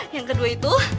yang kedua itu